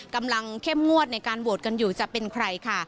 เข้มงวดในการโหวตกันอยู่จะเป็นใครค่ะ